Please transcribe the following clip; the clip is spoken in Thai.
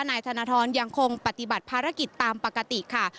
นายธนทรยังคงปฏิบัติภารกิจตามปกติค่ะ